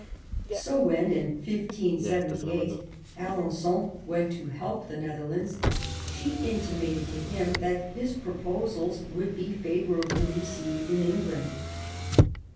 So when, in 1578, Alen9on went to help the Netherlands, she intimated to him that his proposals would be favourably received in England.